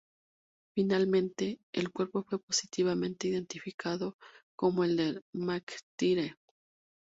Finalmente, el cuerpo fue positivamente identificado como el de MacIntyre.